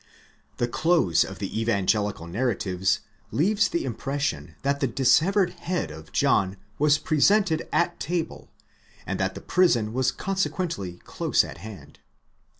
® The close of the evangelical narratives leaves the impression that the dissevered head of John was presented at table, and that the prison was consequently close at hand.